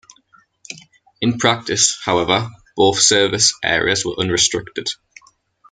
In practice, however, both service areas were unrestricted.